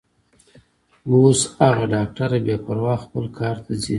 اوس هغه ډاکټره بې پروا خپل کار ته ځي.